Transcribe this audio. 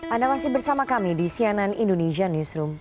anda masih bersama kami di cnn indonesia newsroom